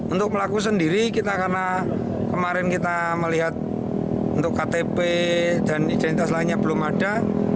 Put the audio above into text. untuk pelaku sendiri kita karena kemarin kita melihat untuk ktp dan identitas lainnya belum ada